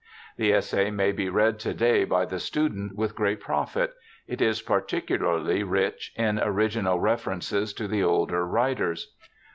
The essay may be read to day by the student with great profit; it is particularly rich in original references to the older writers.